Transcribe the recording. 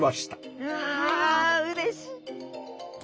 わうれしい！